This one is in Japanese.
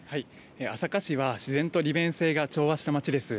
朝霞市は自然と利便性が調和した街です。